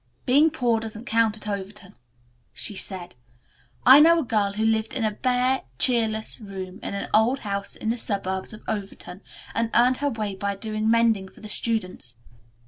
"Being poor doesn't count at Overton," she said, "I know a girl who lived in a bare, cheerless room in an old house in the suburbs of Overton and earned her way by doing mending for the students.